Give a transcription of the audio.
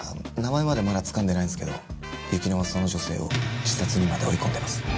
名前まではまだつかんでないんですけど雪乃はその女性を自殺にまで追い込んでます。